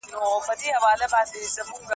مه پرېږدئ چي ستونزي مو مخه ونيسي.